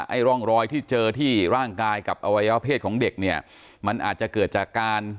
ร่องรอยที่เจอที่ร่างกายกับอวัยวะเพศของเด็กเนี่ยมันอาจจะเกิดจากการ